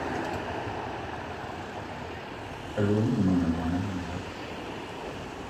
Alou o ne meng mona mininga?